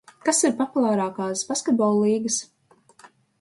Kas ir populārākās basketbola līgas?